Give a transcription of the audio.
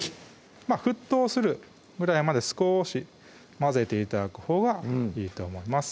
沸騰するぐらいまで少し混ぜて頂くほうがいいと思います